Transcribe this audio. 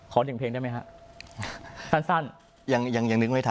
ขอหนึ่งเพลงได้ไหมฮะสั้นสั้นยังยังยังนึกไม่ทันครับ